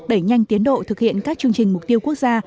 đẩy nhanh tiến độ thực hiện các chương trình mục tiêu quốc gia